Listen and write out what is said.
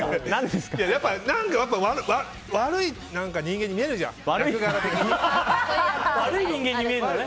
やっぱ、悪い人間に見えるじゃん。